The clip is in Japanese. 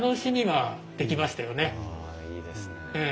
ああいいですね。